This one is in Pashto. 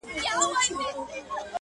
غوږ سه راته؛